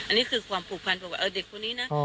อันนี้คือความผูกพันบอกว่าเด็กคนนี้นะ